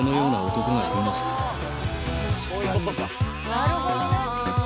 なるほどね。